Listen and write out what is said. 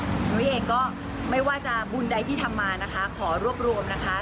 นุ้ยเองก็ไม่ว่าจะบุญใดที่ทำมานะคะขอรวบรวมนะคะ